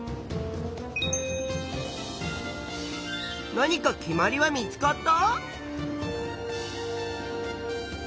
何か決まりは見つかった？